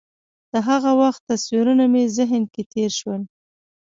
د هغه وخت تصویرونه مې ذهن کې تېر شول.